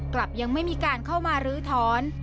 กลับยังไม่มีการเข้ามาลื้อถอน